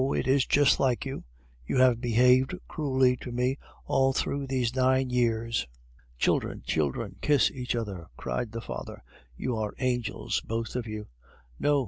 it is just like you; you have behaved cruelly to me all through these nine years." "Children, children, kiss each other!" cried the father. "You are angels, both of you." "No.